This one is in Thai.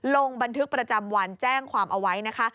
ลงบันทึกประจำวันแจ้งความเอาไว้นะคะ